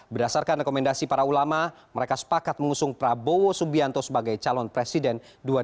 berdasarkan rekomendasi para ulama mereka sepakat mengusung prabowo subianto sebagai calon presiden dua ribu dua puluh